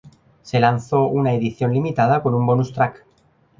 Se lanzó una edición limitada con un bonus track.